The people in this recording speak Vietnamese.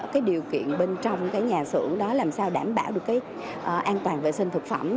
cái điều kiện bên trong cái nhà xưởng đó làm sao đảm bảo được cái an toàn vệ sinh thực phẩm